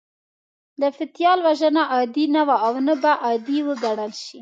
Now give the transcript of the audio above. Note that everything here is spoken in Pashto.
د پتيال وژنه عادي نه وه او نه به عادي وګڼل شي.